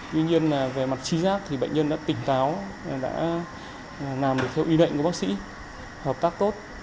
tuy nhiên là về mặt trí giác thì bệnh nhân đã tỉnh táo đã làm được theo ý định của bác sĩ hợp tác tốt